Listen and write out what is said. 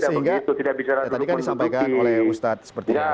sehingga tadi kan disampaikan oleh ustadz seperti yang kamu